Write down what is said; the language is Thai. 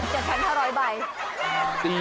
ก็ต้องดังให้ครบ๗๕๐๐ใบ